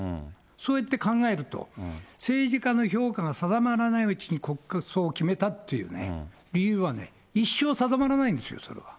そうやって考えると、政治家の評価が定まらないうちに国葬を決めたっていうね、理由は一生定まらないんですよ、それは。